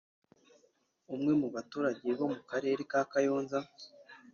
umwe mu baturage bo mu Karere ka Kayonza